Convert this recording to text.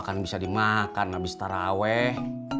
kan bisa dimakan habis taraweh